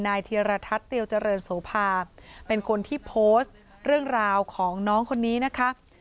เทียรทัศน์เตียวเจริญโสภาเป็นคนที่โพสต์เรื่องราวของน้องคนนี้นะคะ